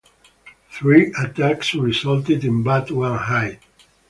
Three attacks resulted in but one hit.